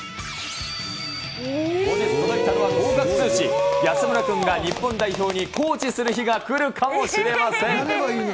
後日届いたのは合格通知、安村君が日本代表にコーチする日が来るかもしれません。